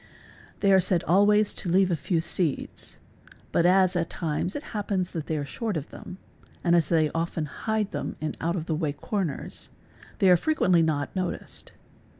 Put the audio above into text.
They are said always to leave a i. few seeds, but as at times it happens that they are short of them and as | they often hide them in out of the way corners, they are frequently not H "noticed.